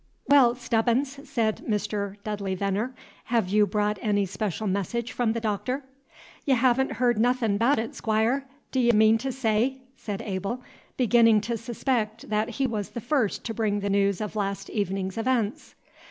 "Well, Stebbins," said Mr. Dudley Veneer, "have you brought any special message from the Doctor?" "Y' ha'n't heerd nothin' abaout it, Squire, d' ye mean t' say?" said Abel, beginning to suspect that he was the first to bring the news of last evening's events.